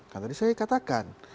kan tadi saya katakan